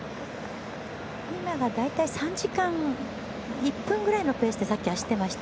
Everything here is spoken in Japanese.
今が大体３時間１分ぐらいのペースで走っていました。